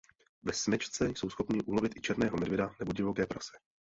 Ve smečce jsou schopni ulovit i černého medvěda nebo divoké prase.